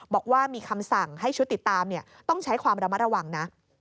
บอกว่ามีคำสั่งให้ชุดติดตามต้องใช้ความระมัดระวังนะ